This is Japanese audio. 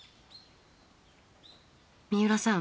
三浦さん